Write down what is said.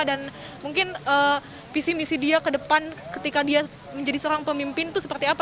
dan mungkin visi misi dia ke depan ketika dia menjadi seorang pemimpin itu seperti apa